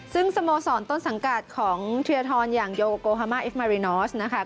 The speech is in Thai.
ซึ่งสโมสรต้นสังกัดของเทียทรอย่างโยโกฮามาเอฟมารินอสนะคะ